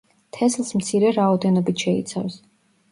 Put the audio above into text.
თესლს მცირე რაოდენობით შეიცავს.